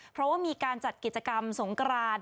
เพราะว่ามีการจัดกิจกรรมสงกราน